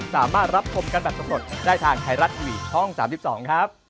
สวัสดีครับ